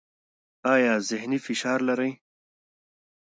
ایا ذهني فشار لرئ؟